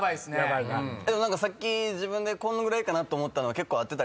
さっき自分でこのぐらいかなと思ったのは結構合ってたので。